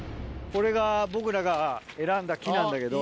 これが僕らが選んだ木なんだけど。